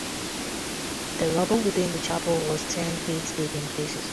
The rubble within the chapel was ten feet deep in places.